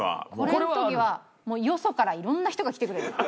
これの時はもうよそから色んな人が来てくれた。